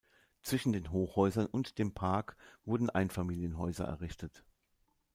Zwischen den Hochhäusern und dem Park wurden Einfamilienhäuser errichtet.